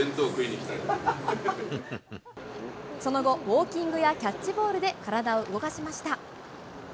その後、ウォーキングやキャッチボールで体を動かしました。